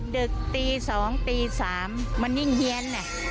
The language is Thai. ดึกตี๒ตี๓มันยิ่งเฮียน